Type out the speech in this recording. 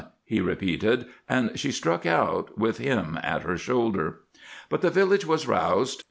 he repeated, and she struck out, with him at her shoulder. But the village was roused.